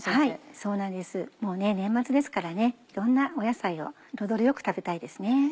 そうなんですもう年末ですからいろんな野菜を彩りよく食べたいですね。